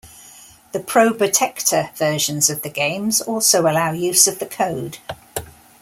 The Probotector versions of the games also allow use of the code.